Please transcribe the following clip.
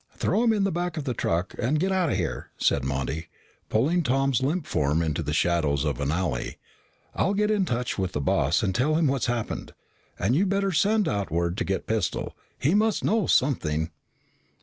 "Throw him in the back of the truck and get outta here," said Monty, pulling Tom's limp form into the shadows of an alley. "I'll get in touch with the boss and tell him what's happened. And you better send out word to get Pistol. He must know something."